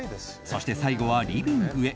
そして、最後はリビングへ。